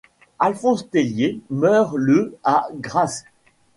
Alphonse Tellier meurt le à Grasse.